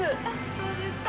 そうですか。